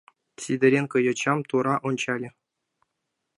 — Сидоренко йочам тура ончале.